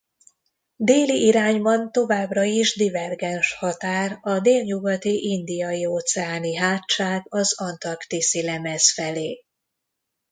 Déli irányban továbbra is divergens határ a Délnyugati-Indiaióceáni hátság az Antarktiszi-lemez felé.